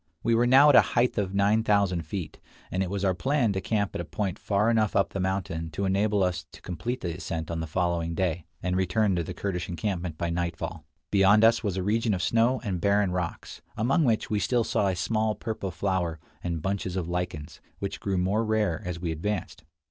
We were now at a height of nine thousand feet, and it was our plan to camp at a point far enough up the mountain to enable us to complete the ascent on the following day, and return to the Kurdish encampment by nightfall. Beyond us was a region of snow and barren rocks, among which we still saw a small purple flower and bunches of lichens, which grew more rare as we advanced.